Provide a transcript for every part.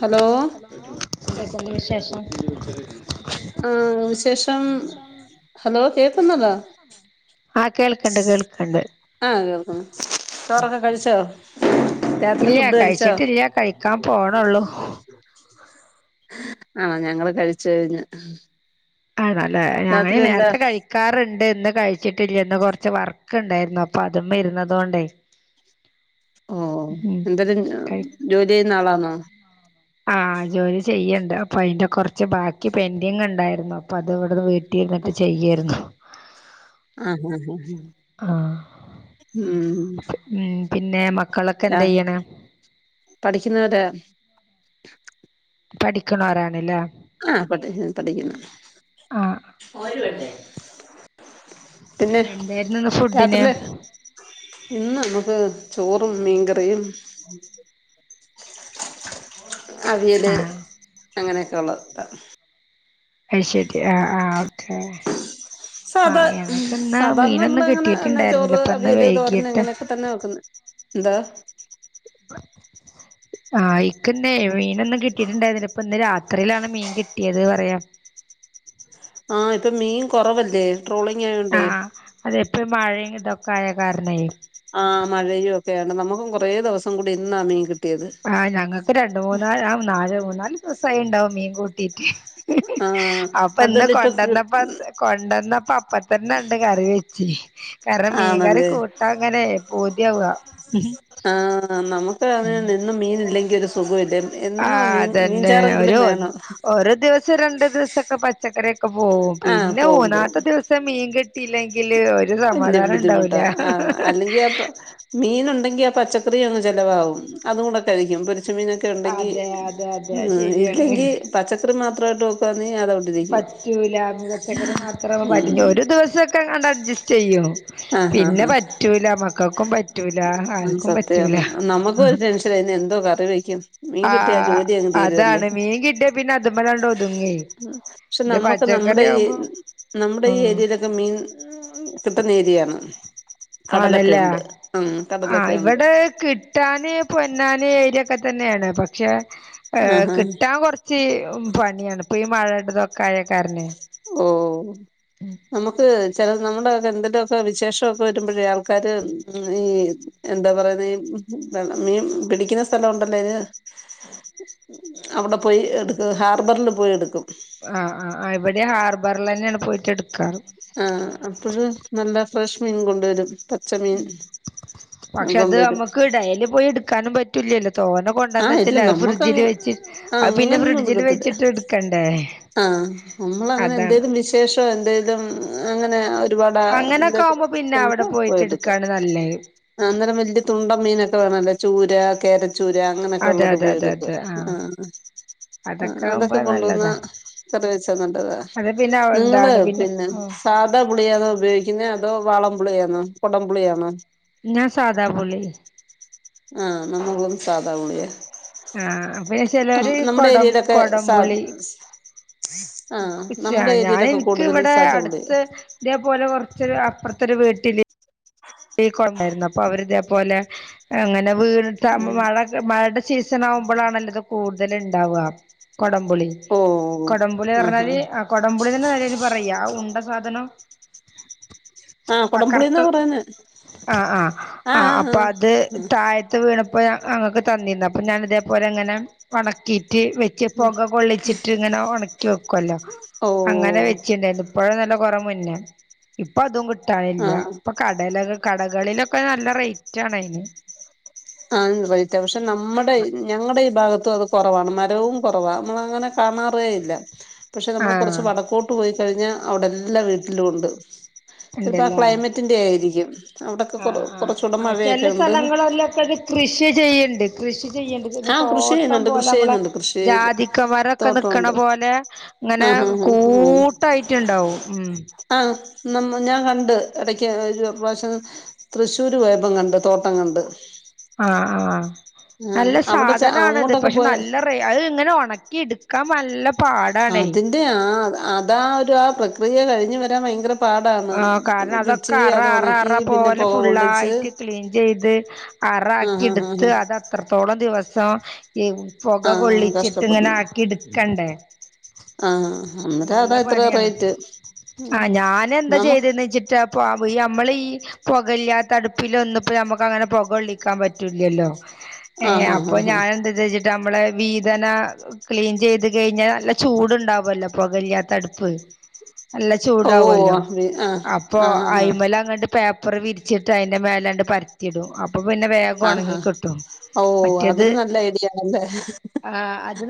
Hello എന്തൊക്കെണ്ട് വിശേഷം ആഹ് വിശേഷം ഹലോ കേക്ക്ന്ന് ണ്ടോ ആഹ് കേൾക്ക്ണ്ട് കേൾക്ക്ണ്ട് ആഹ് കേൾക്ക്ന്ന് ചോറൊക്കെ കഴിച്ചോ രാത്രി ഫുഡ് കഴിച്ചോ കഴിക്കാംപോണൊള്ളൂ ആഹ് ഞങ്ങള് കഴിച്ച് കഴിഞ്ഞ് ആണല്ലേ ഞാന് രാത്രി എന്താ നേരത്തെ കഴിക് കാറ്ഇണ്ട് ഇന്ന് കഴിച്ചിട്ടില്യ ഇന്ന് കാെറച്ച് വർക്ക് ഉണ്ടായിര്ന്നു അപ്പൊ അത് മ്മെ ഇര്ന്നതോണ്ടെ ഓ എന്തതിൻ കഴി ജോലിയ്യ്ന്ന ആളാന്നോ ആഹ് ജോലി ചെയ്യ്ണ്ട് അപ്പൊ ഐന്റെ കാെറച്ച് ബാക്കി പെന്റിങ് ഇണ്ടായിര്ന്നു അപ്പത് ഇവ്ട്ന്ന് വീ ഓ ട്ടിര്ന്ട്ട് ചെയ്യെര്ന്നു ആഹ് ഹഹ ഹ ആഹ് ഉം ഉം പിന്നെ മക് ചാഹ് പഠിക്ക്ന്നെവ്ടെ പഠിക്ക്ണോരാണ്ലെ ആഹ് പഠിക്ക്ന്ന് പഠിക്ക്ന്ന് ആഹ് മോര് വേണ്ടേ പിന്നെ എന്തായിരുന്നു ഇന്ന് ഫുഡിന് രാത്രില് ഇന്ന് നമുക്ക് ചോറും മീങ്കറിയും സസു അവിടെ അങ്ങനെയൊക്കെ ഉള്ളു അശരി ആ ആ ഓക്കേ സഭ സദാർന്ന മീനൊന്നും മ്മള് എങ്ങനെ കിട്ടിയിട്ടുണ്ടായിരുന്നില്ല ചോറ് ഇപ്പൊ അവി ഇന്ന് യല് തോരന വൈകിട്ട് എങ്ങനതന്നെ തന്നെ നോക്കുന്നു എന്താ [unintelligible] ആഹ് ഇക്ക് ഇന്ന് മീനൊന്നും കിട്ടിയിട്ടുണ്ടായിരുന്നില്ല ഇപ്പ ഇന്ന് രാത്രിയിലാണ് മീൻ കിട്ടിയത് പറയാം ആഹ് ഈ മീൻ കുറവല്ലേ ട്രോളിങ് ആയോണ്ടേ ആഹ് അതെപ്പ മഴയും ഇതൊക്കെ ആയ കാരണെ ആഹ് മഴയും ഒക്കെയാണ് നമുക്കും കുറേ ദിവസം കൂടി ഇന്നാ മീൻ കിട്ട് ആഹ് ഞങ്ങക്ക് രണ്ട് മൂന്നാല് ആഹ് നാല് മൂന്നാല് ദിവസായി ഇണ്ടാവും മീൻ കൂട്ടീട്ട് ആഹ് അപ്പൊ ഇന്ന് അതല്ല ഇപ്പൊ കൊണ്ടന്നപ്പോ കൊ ണ്ടെന്നപ്പോ അപ്പൊത്തന്നെ ഇങ്ങട്ട് കറിവച്ചി കാരണം മീൻകറി ആണല്ലേ കൂ ട്ടങ്ങനെ പൂതിയാവാ ആഹ് നമുക്ക് അതെ ഉം നിന്നും മീൻ ഇല്ലെങ്കിൽ ഒരു സുഖം ഇല്ല ആഹ് അതന്നെ ഒരു ഒരു ദിവസം രണ്ടു ദിവസംഒക്കെ പച്ചക്കറ്യൊക്കെ പോവും. ആഹ് പിന്നെ പോവും പോവും മൂന്നാമത്തെ ദിവസം മീൻകിട്ടിയില്ലെങ്കില് ഒര് വല്യ ബുദ്ധിമുട്ടാ ആഹ് അല്ലെങ്കി അപ്പൊ മീൻ ഉണ്ടെങ്കി ആ പച്ചക്കറി അങ്ങ് ചിലവാവും അത് കൂടെ കഴിക്കും പൊരിച്ച മീന് ക്കെ ഉണ്ടെങ്കി അതെ അതെ അതെ ഉം ശരിയാണ് ഇല്ലെങ്കിൽ പച്ചക്കറി മാത്രയിട്ട് വെക്ക്വാന്നെങ്കി അതു പറ്റൂല മ പച്ചക്കറി മാത്രേ പ്പൊ പറ്റൂ ഉം ഇനി ഒരു ദിവസ ക്കാണ്ടങ്ങ് അഡ്ജസ്റ്റ് ചെയ്യും ആഹ് ആഹ് പിന്നെ പറ്റൂല മക്കൾക്കും പറ്റൂല ആഹ് ആഹ് ആർക്കും പറ്റൂല സത്യാന്ന് നമുക്കും ഒരു ടെൻഷനാ ഇന്ന് എന്തോ കറിവക്കും മീൻ കിട്ടിയ ജോലി അങ്ങ് തീരുവല്ലോ കിട്ടിയാ പിന്ന അതുമ്മലാണ്ടൊത്ങ്ങി ഉം പക്ഷെ നമ്മുക്ക് നമ്മുടെ ഈ നമ്മുടെ ഈ ആഹ് ഏരിയയിലൊ ക്കെ മീൻ കിട്ടുന്ന ഏരിയയാണ് കടലൊക്കെ ഉണ്ട് ആണല്ലേ ഉം ആഹ് കടലൊക്കെ ഉണ്ട് ഇവിടെ കിട്ടാന് പൊന്നാന് ഏരിയൊക്കെ തന്നെയാണ് പക്ഷേ ഏഹ് ആഹ് ആഹ് കിട്ടാൻ കുറ ച്ച് പണിയാണ് ഇപ്പൊ ഈ മഴയുടെതൊക്കെ ആയ കാരണെ ഓഹ് നമുക്ക് ചില നമ്മുടെക്കെ എന്തെലൊക്കെ വിശേഷ ഒക്കെ വരുമ്പോഴേ ആൾക്കാര് ഈ എന്താ പറയുന്നെ ഈ മീം പിടിക്കുന്ന സ്ഥലംഉണ്ടല്ലേന് അവിടെ പോയി എടുക്കും ഹാർബറില് പോയി എടുക്കും ആഹ് ആഹ് ആ ഇവിടേം ഹാർബറിൽ തന്നെയാണ് പോയിട്ട് എടുക്കാറ് ആഹ് അപ്പഴ് നല്ല ഫ്രഷ് മീൻ കൊണ്ടുവരും. പച്ചമീൻ ഉം പക്ഷെ അത് കൊണ്ടുവരും നമ്മുക്ക് ഡെയ്ലി പോയി എടുക്കാനും പറ്റ് റ്റൂല്ലല്ലോ തോന്നെ ആ കൊണ്ടന്ന് ഇല്ല വെച്ചല്ലേ അത് നമ്മുക്ക് ഫ്രിഡ്ജില് വെച്ച് ആ അഹ് പിന്നെ ഫ്രിഡ്ജിൽ വെച്ചിട്ട് ഇടുക്കണ്ടേ ആഹ് നമ്മൾ അങ്ങനെ എന്തേലും വിശേഷോ എന്തേലും അങ്ങനെ അങ്ങനൊക്കെ ഒരുപാട്ന്തത്ത് ആവുമ്പോ പിന്നെ അവിടെ പോയിട്ട് നമ്മളട്പ്പോയെടുക്കു എടുക്കാണ് നല്ലത് ആനേരം വലിയ തുണ്ടം മീനൊക്കെ വേണല്ലോ ചൂര കേരച്ചൂര് ര അങ്ങനെയൊക്കെ അതെ ഉള്ളത് അതെ പോയി അതെ എടുക്കാ അതെ ആഹ് ആഹ് ആഹ് ആവുമ്പോ അതൊക്കെ കൊണ്ടുവന്നാ നല്ലതാ കറി വെച്ചാ നല്ലതാ അത് പിന്നെ നിങ്ങള് എന്താണ് പിന്നെ ആഹ് തെ പുളിയാതോ ഉപയോഗിക്കുന്നെ അതോ വാളംപുളിയാന്നോ കുടംപുളിയാന്നോ ഞാ സാദാ പുളി ആഹ് നമ്മളും സാധാ പുള്യാ ആഹ് പിന്നെ അം ചിലര് നമ്മുടെ കൊടം ഏരിയയിലൊക്കെ സ ക്കുച്ചയ ഞാൻ എനിക്ക് ഇവിടെ സാധാ പുളിയാ അടുത്ത് ഇതെ പോലെ കുറച്ചൊരു അപ്പുറത്തരു വീട്ടില് കൊണ്ടായിരുന്നു അപ്പൊ അവരി തേപോലെ അങ്ങനെ വീണിട്ടാവുമ്പൊ ഉം മഴ മഴടെ സീസൺ ആവുമ്പോളാണല്ലോ ഇത് കൂടുതൽ ഇണ്ടാവാ കൊടംപുളി ഓഹ് കൊടംപുളി ആഹ് പറഞ്ഞാല് ആഹ് കൊടംപുളിന്നെന്നെ നിലേൽ പറയാ ആഹ് ഉണ്ട സാധനം ആഹ് ആ കൊടംപുളിന്നാ കറുത്ത പറയുന്നേ. ആഹ് ആഹ് ആഹ് അപ്പൊ അത് തായ ത്ത് വീണപ്പോ അങ്ങക്ക് തന്നിന്ന് അപ്പൊ ഞാൻ ഇതേപോലെ അങ്ങനെ ഒണക്കി റ്റ് വെച്ച് ആഹ് പുക കൊള്ളിച്ചിട്ട് ഇങ്ങനെ ഉണക്കി വെക്കല്ലോ അങ്ങനെ ഓഹ് വെച്ചിണ്ടായിരുന്നു. ഇപ്പോഴന്നല്ല കുറേ മുന്നെ ഇപ്പൊ അതും കിട്ടാനില്ല ആഹ് ഇപ്പൊ കടേലൊക്കെ കടകളിലൊക്കെ നല്ല റേറ്റ് ആണ് അയിന് ആന്ന് റേറ്റ പക്ഷെ നമ്മുടെ ഈ ഞങ്ങടെ ഈ ഭാഗത്തും അത് കുറവാണ് മരവും കുറവാ നമ്മൾ അങ്ങനെ കാണാറേയില്ല- [inaudible] പക്ഷെ നമ്മൾ കുറച്ച് ആഹ് വടക്കോട്ട് പോയിക്കഴിഞ്ഞാൽ അവിടെല്ലാം വീട്ടിലും ഉണ്ട് ചിലപ്പോ ആഹ് ഇണ്ടല്ലേ ക്ലൈമറ്റ് ത്തിന്റെ ആയിരിക്കും. അവിടൊക്കെ കൊറ ആഹ് ആഹ് കൊറച്ചൂടെ ആഹ് മഴയൊക്കെ ചില ഉണ്ട് സ്ഥലങ്ങളല്ലാം [unintelligible] കൃഷി ചെയ്യണ്ട്- കൃഷി ചെയ്യണ്ട് പിന്നെ ആ കൃഷി തോട്ടം ചെയ്യുന്നുണ്ട് പോലെ കൃഷി നമ്മള ചെയ്യുന്നുണ്ട് കൃഷി ചെയ്ത് ജാതിക്ക മരം ഒക്കെ നിക്കണ തോട്ടമുണ്ട് പോലെ ഇങ്ങനെ ആഹ് ആഹ് ആഹ് ആഹ് കൂട്ടായിട്ടുണ്ടാവും ഉം. ആഹ് നമ്മ ഞാൻ കണ്ട് ഇടക്ക് ഒരു പ്രാവശ്യം തൃശ്ശൂര് പോയപ്പം കണ്ട് തോട്ടം കണ്ട് ആഹ് ആഹ് ആഹ് നല്ല അവിടെ ച സാധനാ ണത് അങ്ങോട്ടൊക്കെ പക്ഷെ പോയ നല്ല റൈറ്റ് അത് ഇങ്ങനെ ഉണക്കി എടുക്കാൻ നല്ല പാടാണേ അതെ ആഹ് അതാ ഒരു ആഹ് പ്രക്രിയ കഴിഞ്ഞഞ് വരാൻ ഭയങ്കര പാടാണ് ആഹ് കാരണം പിച്ചി അതൊക്കെ അറ അത് അറ ഉണക്കി അറ പിന്നെ പോലെ പുക കൊള്ളിച്ച് ഫുള്ളായിട്ട് ക്ലീൻ ചെയ്ത്- ആ അറാക്കി ആ ആ എടുത്ത് അത് അത്രത്തോളം ദിവസം ആ ആ പുക കൊള്ളിച്ചിട്ട് ഇങ്ങനെ കഷ്ടപ്പെടണം ആക്കി എടുക്കണ്ടേ? ആ അന്നേരം അതാ നല്ല ഇത്ര പണിയാണ് റേറ്റ് ഉം ആഹ് ഞാൻ എന്താ നമ ചെയ്തി [unintelligible] നമ്മള ഈ പുകില്ലാത്തടുപ്പില ഒന്നിപ്പോ നമുക്ക് അങ്ങനെ പുകള്ളിക്കാൻ പറ്റൂല്ലല്ലോ? ആ ഏഹ് ആ ആ അപ്പൊ ആ ഞാൻെന്താ വെച്ചിട്ട് നമ്മളെ വീതന ക്ലീൻ ചെയ്ത് കഴിഞ്ഞാൽ നല്ല ചൂടുണ്ടാവല്ലോ പുകല്ലാത്തടുപ്പ്. നല്ല ഓ ചൂടാവല്ലോ ആ ആ അപ്പൊ ആ ആ അയിമല അങ്ങ് പേപ്പർ വിരിച്ചിട്ട് അതിന്റെ മേലാണ്ട് പരത്തിടും അപ്പൊ പിന്നെ വേഗം ആ ഉണങ്ങി ആ കിട്ടും. ഓ മറ്റേത് അതൊരു നല്ല ഐഡിയ ആണല്ലേ ആഹ് അത്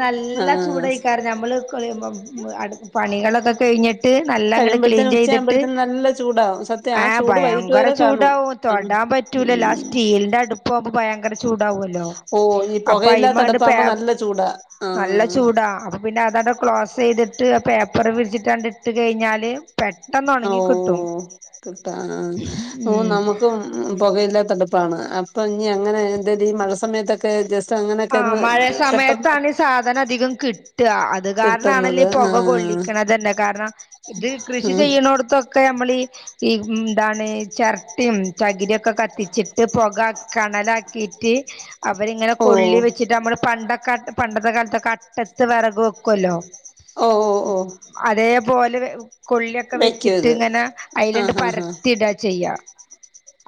ആ നല്ല ചൂട് ആക്കേറും നഞമ്മള് [unintelligible] പണികളൊക്കെ കഴിഞ്ഞിട്ട് നല്ലഅങ്ങട്ട് ക്ലീൻ കഴിയുമ്പോഴത്തേനും ചെയ്തിട്ട് ഉച്ചയാകുമ്പോഴത്തേനും നല്ല ചൂടാവും സത്യം ആ ആഹ് ചൂട് വൈകിട്ട് ഭയങ്കര വരെ കാണും ചൂടാവും ഉം തൊടാൻ പറ്റൂല ലാസ്റ്റീൽ ഉം സ്റ്റീൽലിന്റെ അടുപ്പ് ആവുമ്പോ ഭയങ്കര ചൂടാവല്ലോ? ഓ ഈ അപ്പൊ പുകയില്ലാത്ത അയിമണ്ട് പേ അടുപ്പാകുമ്പോ നല്ല ചൂടാ നല്ല ആഹ് ചൂടാ പിന്നെ അതാണ്ട് ക്ലോസ് ചെയ്തിട്ട് പേപ്പറ് വിരിച്ചിട്ടാണ്ട് ഇട്ട് കഴിഞ്ഞാല് പെ [unintelligible] ഓഹ് ഉം നമ്മുക്കും ഉം പുകയില്ലാത്തടുപ്പാണ് അപ്പൊ ഇനി അങ്ങനെ എന്താലും ഈ മഴ സമയത്തൊക്ക ആഹ് മഴ സമയത്താണ് സാധനം അധികം കിട്ടുക അത് കാരണാണെല്ലഈ കിട്ടുന്നത് പുക ആഹ് കൊള്ളിക്കണ തന്നെ കാരണം ഇത് കൃഷി ആഹ് ചെയ്യുന്നോടത്തൊക്കെ നമ്മൾഈ ഈ എന്താണ് ചിരട്ടും ചകിരിക്കെ കത്തിച്ചിട്ട് പുക കണലാക്കിട്ട് [unintelligible] അവരിങ്ങനെ ഓ നമ്മൾ പണ്ടൊക്ക പണ്ടത്തെ കാലത്തൊക്കെ അട്ടത്ത് വിറക് വെക്കുവല്ലോ? ഓ ഓ ഓ അതേപോലെ കൊള്ളിയൊക്കെ വെക്കും വെച്ചിട്ട് ഇത് ഇങ്ങനെ അയില് ആഹ് ആഹ് ആഹ് പരത്തിടാ ചെയ്യാ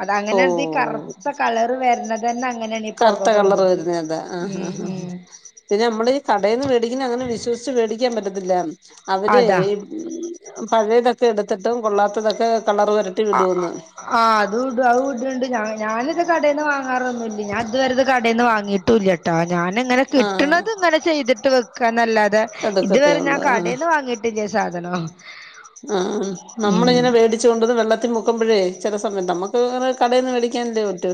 അത് ഓ അങ്ങനെ ഈ കറുത്ത കളറ് വരുന്നത് തന്നെ അങ്ങനെയാണ് ഈ പുക കറുത്ത കളർ കൊണ്ടിട്ട് വരുന്ന അതാ ആഹ് ഉം ആഹ് ആഹ് ഉം പിന്നെ നമ്മള ഈ കടയിൽന്ന് മേടിക്കുന്ന അങ്ങനെ വിശ്വസിച്ച് മേടിക്കാൻ പറ്റത്തില്ല അവര് അതാ ഉം പഴയതൊക്കെ എടുത്തിട്ട് കൊള്ളാത്തതൊക്കെ കളർ വരുത്തും അഹ് അഹ് അഹ് ആഹ് അത് അത് അഹ് വിട്ണ്ട്. ഞാന് ഇത് കടേന്ന് വാങ്ങാറൊന്നുല്യ. ഞാൻ ഇതുവരെ ഇത് കടേന്ന് വാങ്ങീട്ടു ഇല്യട്ട് ഞാൻ ഇങ്ങനെ ആഹ് കിട്ട്ണത് ഇങ്ങനെ ചെയ്തിട്ട് വെക്കാന്നെല്ലാതെ എടുക്കത്തേ ഇതുവരെ ഞാൻ ഉള്ളൂ കടേന്ന് വാങ്ങിട്ട് ട്ടില്ല സാധനോം ആഹ് ആഹ് നമ്മളിങ്ങനെ വേടി ചോണ്ടോന്ന് ഇത് വെള്ളത്തി മുക്കുമ്പഴേ ചെല സമയം നമ്മക്ക് കടയിന്ന് വേടിക്കാൻല്ലേ പറ്റു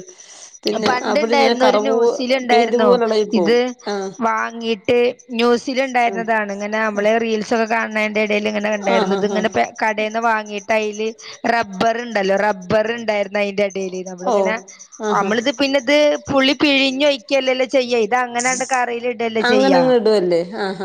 പണ്ട് ഇണ്ടായിരുന്നു. ഒരു ന്യൂസിൽ പെയിന്റ് ഇണ്ടായിരുന്നു പോലെ എളകി പോവും ഇത് ആഹ് വാങ്ങീട്ട് ന്യൂസില് ഇണ്ടായിരുന്നതാണ്. ഇങ്ങനെ നമ്മള് റീൽസ് ഒക്കെ കാണ്നേന്റെ എടേല് ഇങ്ങനെ ആഹ് ആഹ് ഇണ്ടായിരുന്നു. ആഹ് ആഹ് ആഹ് ഇങ്ങനെ കടേന്ന് വാങ്ങീട്ട് തൈല് റബ്ബർ ഇണ്ടല്ലോ റബ്ബർ ഇണ്ടായിരുന്നു അയ്ന്റെ അടിയില് നമ്മളിങ്ങനെ ഓഹ് ആഹ് ആഹ് നമ്മള് ഇത് പിന്നെ ഇത് പുളി പിഴിഞ്ഞൊഴിക്ക്യല്ലല്ലോ ചെയ്യായി ഇത് അങ്ങനണ്ട് കറീല് ഇടെല്ലെ ചെയ്യ.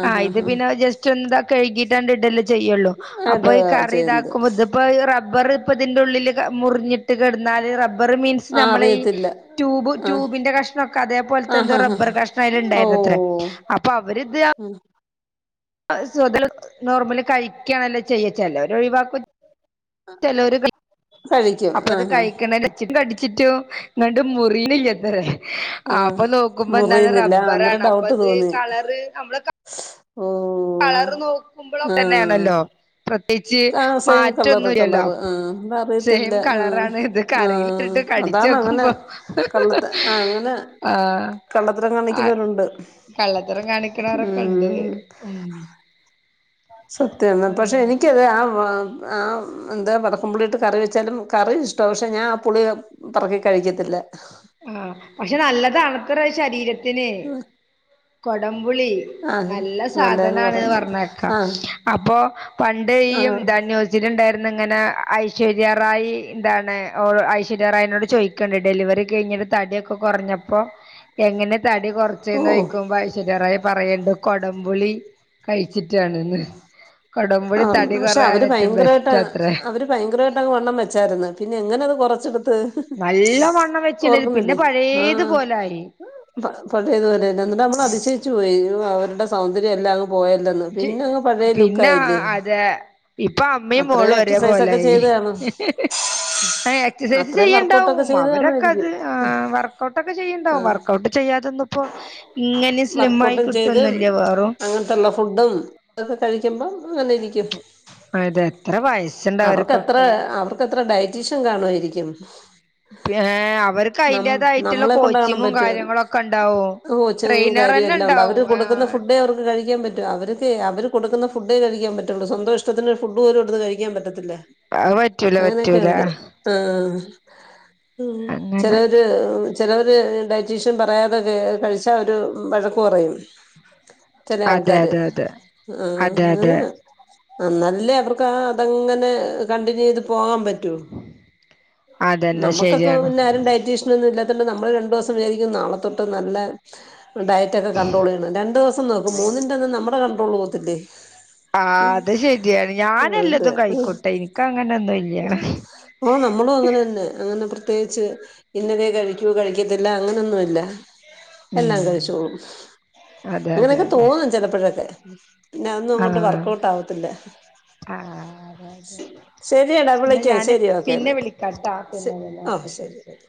ആഹ് ഇത് പിന്നെ ജറ്റ് [unintelligible] റ്റുന്താ കഴുകീട്ടാണ്ട് ഇടെല്ലേ ചെയ്യൊള്ളൂ. ആഹ് അപ്പൊ ഈ ഇടുവാ കറി ചെയ്യുന്നത് ഇതാക്കുമ്പോ ഇത് ഇപ്പ അഹ് ഇ റബ്ബർ ഇപ്പ ഇതിൻ്റെ ഉള്ളില് മുറ്ഞ്ഞിട്ട് കെട്ന്നാല് റബ്ബർ മീൻസ് ആഹ് നമ്മളെ ഈ അറിയത്തില്ല ട്യൂബ് ആഹ് ട്യൂബിന്റെ കഷ്ണംഒക്കെ അതേപോല്ത്തെ ആഹാ എന്തോ ഹാ റബ്ബർ കഷ്ണം അയ്ൽ ഓ ഇണ്ടായിരുന്നു അത്രേ അപ്പൊ അവര് ഇത് [unintelligible] ഉം സൊത [unintelligible] നോർമലി കഴിക്ക്യാണല്ല ചെയ്യ ച്ചെലോല് ഒഴിവാക്കു ചെലോല് [unintelligible] കഴിക്കും അപ്പൊ അത് ആഹാ കഴിക്ക്ണേന്റെ ചിട്ടും കടിച്ചിട്ടും ഇങ്ങണ്ട് മുറീണില്ലത് ആഹ് ആപ്പം നോക്കുമ്പ എന്താണ് മുറിയുന്നില്ല അന്നേരം റബ്ബറാണ് അപ്പൊ ഡൗട്ട് ഇത് തോന്നി കളർ അമ്മള ഓ കളർ ആഹ് നോക്കുമ്പളൊക്കെന്നേണല്ലൊ പ്രത്യേകിച്ച് ആ സെയിം മാറ്റൊന്നു കളറ് ഇല്ലല്ലോ. കളറ് അപ്പ ആഹ് അത് സെയിം അറിയത്തില്ല ആഹ് കളറാണ് ഇത് ആഹ് കറീലിട്ടിത്ത്രിട്ട് അതാണ് അങ്ങനെ കടിച്ചോക്കുമ്പം കള്ളത്ത ആ അങ്ങനെ ആഹ് കള്ളത്തരം ആഹ് കാണിക്കുന്നവരുണ്ട് കള്ളത്തറം കാണിക്ക്ണോറൊക്കെ ഇണ്ട് ഉം ഉം സത്യാന്ന് പക്ഷെ അങ്ങനെ എനിക്ക് ഇത് ആഹ് [unintelligible] ആഹ് എന്താ വടക്കംപുള്ളിട്ട് കറി വെച്ചാലും കറി ഇഷ്ട. പക്ഷെ ഞാൻ ആ പുളി പെറക്കി കഴിക്കത്തില്ല ആഹ് പക്ഷെ നല്ലതണത്ര ഈ ശരീരത്തിന് ആ കൊടംപുളി ആഹ് നല്ല നല്ലതെന്ന് സാധനാണ്ന്ന് പറയുന്ന് പറ്ഞ്ഞേക്കാം. ആഹ് അപ്പൊ പണ്ട് ഈ ആഹ് എന്താ ഇജ്ല് ഇണ്ടായിര്ന്ന് ഇങ്ങനെ ഐശ്വര്യ റായ് എന്താണ്ഓ ഐശ്വര്യ റായിനോട് ചോയ്ക്ക്ണ് ഡെലിവറി കെഴിഞ്ഞിട്ട് തട്യക്കെ കൊറ്ഞ്ഞപ്പൊ എങ്ങനെ തടി കൊറ്ച്ചെ എന്ന് ഓഹ് നോയ്ക്കുമ്പ ഐശ്വര്യ റായ് പറ ഇണ്ട് കൊടംപുളി കഴിച്ചിട്ടാണ്ന്ന്. കൊടംമ്പുളി ആഹ് തടി കൊറയാൻ ഏറ്റും ബെസ്റ്റ അത്രെ ഭയങ്കര വായിട്ട് അങ് വണ്ണം വെച്ചായിര്ന്ന്. പിന്നെ എങ്ങനെ അത് കൊറച്ചെടുത്ത് നല്ല വണ്ണം വെച്ചിണ്ട് പിന്നെ പഴേത് പോലെ ആയി പഴയത്പോലെന്നെ. ഇന്നട്ട് നമ്മൾ അതിശയിച്ചു പോയി. അവര്ടെ സൗന്ദര്യം എല്ലാം അങ്ങ്പോയന്ന് ഇച് പിന്നെ അതെ ഇപ്പൊ അമ്മയും അത്രയും മോളും ഒരേ എക്സസൈസ് പോല ഒക്കെ ആയി ചെയ്ത് കാണും [inaudible] എക്സസൈസ് അത്രയും വർക്കഔട്ടൊക്കെ ചെയ്യ്ണ്ടാവും. ചെയ്ത് അവരൊക്കെ അത് കാണുമായിരിക്കും ഹ് വർക്കൗട്ട് ഒക്കെ ചെയ്യണ്ടാവും ആഹ് വർക്കഔട്ട് ചെയ്യാതെന്നുപ്പോ ഇങ്ങനെ സ്ലിം ആയി കിട്ടൊന്നുല്ല വേറും ത്തൊള്ള ഫുഡും ഇതൊക്കെ കഴിക്കുമ്പ അങ്ങനെ ഇരിക്കും ഇത് എത്ര വയസുണ്ട അവർക്കൊക്കെ എത്ര ഡയറ്റീഷ്യൻ കാണ്വായിരിക്കും പി അവർക്ക് അയ്ന്റേതായിട്ട്ള്ള നമ്മളെ കൊണ്ട് കോച്ചിങ്ങും കാര്യങ്ങളൊക്കെ ഇണ്ടാവും. ചിങ്ങും കാര്യ എല്ലാം ഉണ്ടാവു. ഇങ്ങട്ട് കൊടുക്കുന്ന ഫുഡ് [unintelligible] അവർക്ക് കഴിക്കാൻ പറ്റു. അവർക്ക് അവര് കൊടുക്കുന്ന ഫുഡേ കഴിക്കാ പറ്റൊള്ളൂ. സ്വന്തോ ഇഷ്ടത്തിന്റെ ഒരു ഫുഡും പോലും ഇടുത്ത് കഴിക്കാൻ പറ്റത്തില്ല അത് പറ്റൂല അങ്ങനെ ഒക്കെ പറ്റൂല ഉണ്ട്. ആഹ് ചെല അങ്ങനെ ചെലോര് ഡയറ്റീഷ്യൻ പറയാതെ കഴിച് പക്ഷെ ഒരു വഴക്ക് പറയും ചെലേ അതെ ആൾക്കാര് അതെ അതെ ആഹ് അതെ അങ്ങനെ അതെ ആ ന്നാലല്ലേ അവർക്ക് ആ ഇതെങ്ങനെ കണ്ടിന്യൂ എയ്ത് പോകാൻ പറ്റൂ അതന്നെ നമുക്കൊക്കെ ശരിയാണ് പിന്നാരും ഡയറ്റീഷന ഒന്നും ഇല്ലാത്തണ്ട് നമ്മള് രണ്ടു ദിവസം വിചാരിക്കും നാളെത്തൊട്ട് നല്ല ഡയറ്റ ഒക്കെ കണ്ട്രോൾ ചെയ്യണം രണ്ടു ദിവസം നോക്കും മൂന്നിന്റെ ഒന്നും നമ്മുടെ കണ്ട്രോൾ പോകത്തില്ലേ ആ അത് ശരിയാണ് ഞാൻ അതെ എല്ലതും കൈക്കോട്ടെ എനിക്ക അങ്ങനെൊന്നും ഇല്ലാണ് ഓ നമ്മളും അങ്ങനെ തന്നെ അങ്ങനെ പ്രത്യേകിച്ച് ഇന്നലെ കഴിക്കൂ കഴിക്കത്തില്ല അങ്ങനെയൊന്നുമല്ല ഉം എല്ലാം കഴിച്ചോ അതെ അതെ ഇങ്ങനെയൊക്കെ അതെ തോന്നും ചിലപ്പോഴൊക്കെ ന്ന ഒന്നും അങ്ങോട്ട് വർക്കഔട്ട് ആവത്തില്ല ആ അതെ അതെ ശരിയടാ എന്ന വിളിക്കാം ഞാന് ശരി പിന്നെ ഓക്കേന്ന് വിളിക്കാട്ടാ പിന്നെന്നെപ്പ ശരി ശരി